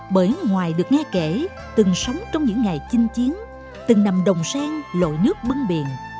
bởi ngoài được nghe kể từng sống trong những ngày chinh chiến từng nằm đồng sang lội nước bưng biển